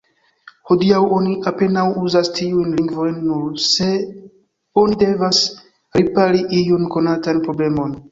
Hodiaŭ oni apenaŭ uzas tiujn lingvojn, nur se oni devas ripari iun konatan problemon.